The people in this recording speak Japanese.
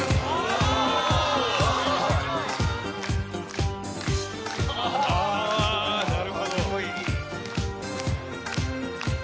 あなるほど。